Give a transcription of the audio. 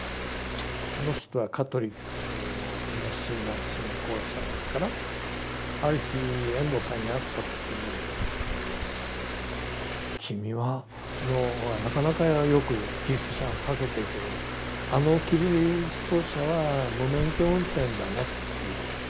あの人はカトリックの熱心な信仰者ですからある日遠藤さんに会った時に「君のはなかなかよくキリスト者が書けているけどあのキリスト者は無免許運転だね」って言う。